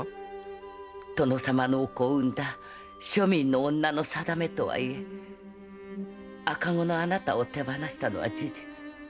殿様のお子を産んだ庶民の女の「さだめ」とはいえ赤子のあなたを手放したのは事実。